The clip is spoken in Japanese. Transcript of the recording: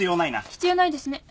必要ないですね。